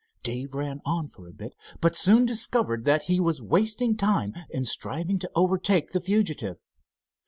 Dave ran on for a bit, but soon discovered that he was wasting time in striving to overtake the fugitive.